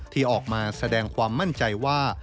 ที่ออกมาแสดงความมั่นใจว่า